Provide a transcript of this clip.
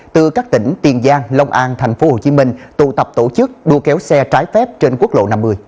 từ các tỉnh tiền giang long an tp hcm tụ tập tổ chức đua kéo xe trái phép trên quốc lộ năm mươi